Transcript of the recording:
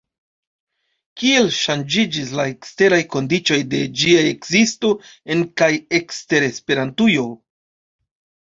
Kiel ŝanĝiĝis la eksteraj kondiĉoj de ĝia ekzisto, en kaj ekster Esperantujo?